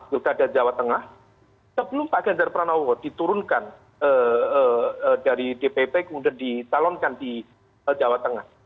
pilkada jawa tengah sebelum pak ganjar pranowo diturunkan dari dpp kemudian ditalonkan di jawa tengah